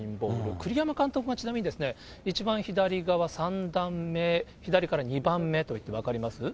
栗山監督はちなみにですね、一番左側３段目、左から２番目と言って、分かります？